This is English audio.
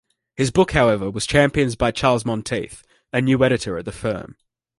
His book however was championed by Charles Monteith, a new editor at the firm.